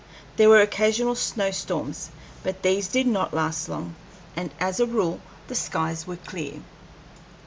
There were occasional snow storms, but these did not last long, and as a rule the skies were clear.